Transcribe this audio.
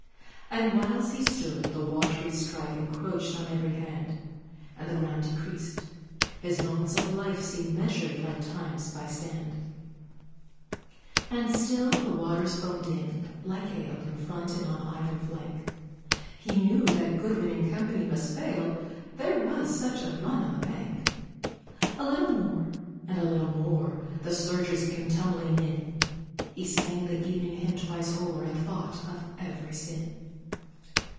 And whilst he stood, the watery strife Encroached on every hand, And the ground decreased, his moments of life Seemed measured, like Time's, by sand; And still the waters foamed in, like ale, In front, and on either flank, He knew that Goodwin and Co. must fail, There was such a run on the bank. A little more, and a little more, The surges came tumbling in, He sang the evening hymn twice o'er, And thought of every sin!